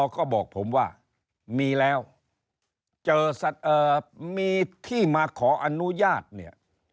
ก็บอกผมว่ามีแล้วเจอมีที่มาขออนุญาตเนี่ย